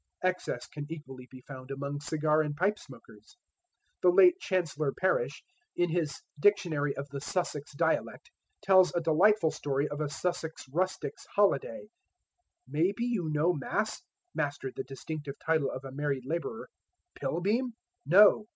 Excess can equally be found among cigar and pipe smokers. The late Chancellor Parish, in his "Dictionary of the Sussex Dialect," tells a delightful story of a Sussex rustic's holiday "May be you knows Mass [Master, the distinctive title of a married labourer] Pilbeam? No!